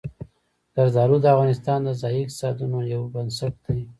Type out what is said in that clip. زردالو د افغانستان د ځایي اقتصادونو یو بنسټ دی.